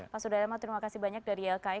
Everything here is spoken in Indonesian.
pak sudarama terima kasih banyak dari ylki